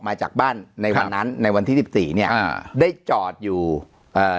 มาจากบ้านในวันนั้นในวันที่สิบสี่เนี้ยอ่าได้จอดอยู่เอ่อ